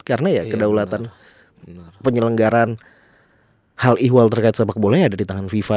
karena ya kedaulatan penyelenggaran hal ihwal terkait sepak bola ya ada di tangan fifa